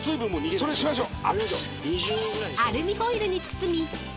それしましょう。